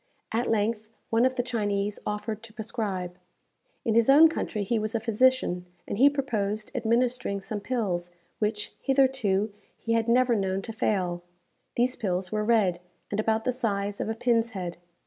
At length one of the Chinese offered to prescribe. In his own country he was a physician, and he proposed administering some pills, which, hitherto, he had never known to fail. These pills were red, and about the size of a pin's head.